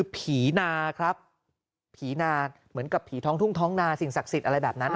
ผีนาครับผีนาเหมือนกับผีท้องทุ่งท้องนาสิ่งศักดิ์สิทธิ์อะไรแบบนั้น